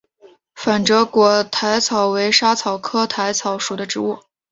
反折果薹草为莎草科薹草属的植物。